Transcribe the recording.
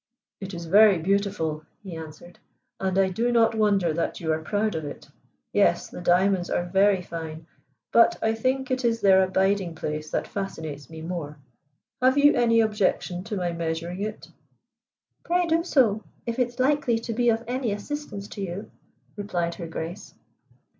"It is very beautiful," he answered, "and I do not wonder that you are proud of it. Yes, the diamonds are very fine, but I think it is their abiding place that fascinates me more. Have you any objection to my measuring it?" "Pray do so, if it's likely to be of any assistance to you," replied Her Grace.